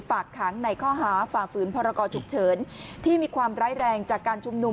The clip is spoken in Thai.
ฝากขังในข้อหาฝ่าฝืนพรกรฉุกเฉินที่มีความร้ายแรงจากการชุมนุม